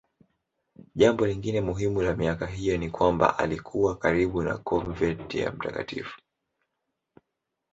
Jambo lingine muhimu la miaka hiyo ni kwamba alikuwa karibu na konventi ya Mt.